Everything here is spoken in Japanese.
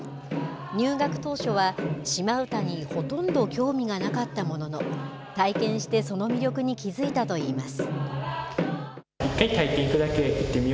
入学当初はシマ唄にほとんど興味がなかったものの体験してその魅力に気づいたといいます。